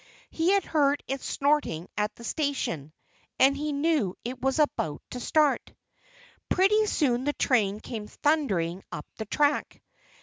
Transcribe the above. He had heard it snorting at the station and he knew it was about to start. Pretty soon the train came thundering up the track.